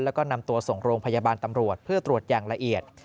แล้วก็นำตัวส่งโรงพยาบาลตำรวจเพื่อตรวจอย่างละเอียด